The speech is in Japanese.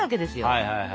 はいはいはい。